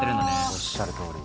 おっしゃる通り。